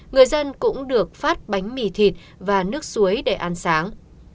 người dân cũng được phát bánh mì thịt và nước suối để ăn sáng